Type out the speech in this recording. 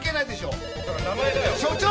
だから名前だよ署長！